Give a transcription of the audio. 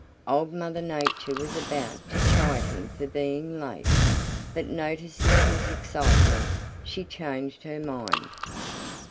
Old Mother Nature was about to chide him for being late, but noticing his excitement, she changed her mind.